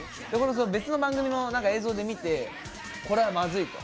別の番組の映像でなんか見てこれはまずいと。